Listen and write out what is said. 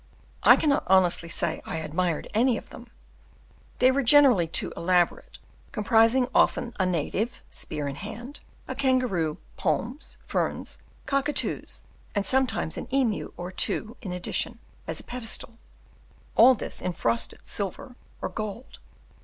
I cannot honestly say I admired any of them; they were generally too elaborate, comprising often a native (spear in hand), a kangaroo, palms, ferns, cockatoos, and sometimes an emu or two in addition, as a pedestal all this in frosted silver or gold.